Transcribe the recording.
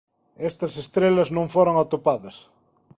Estas estrelas non foron atopadas.